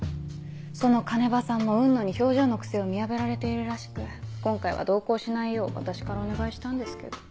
その鐘場さんも雲野に表情の癖を見破られているらしく今回は同行しないよう私からお願いしたんですけど。